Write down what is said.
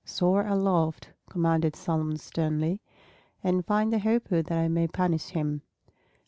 "Soar aloft," commanded Solomon sternly, "and find the Hoopoe that I may punish him.